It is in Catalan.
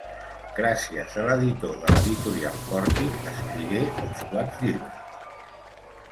Gràcies a l'editor de l'Editorial Pòrtic, escrigué uns quants llibres.